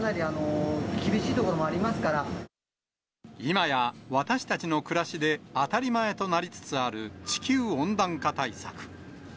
いまや私たちの暮らしで当たり前となりつつある地球温暖化対策。